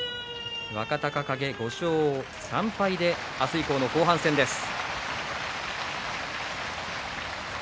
若隆景は５勝３敗で明日以降の後半戦です。